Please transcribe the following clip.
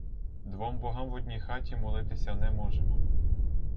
Двом богам в одній хаті молитися не можемо.